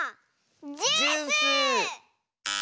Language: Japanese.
ジュース！